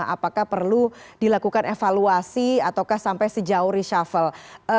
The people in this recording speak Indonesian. apakah perlu dilakukan evaluasi ataukah sampai sejauh reshuffle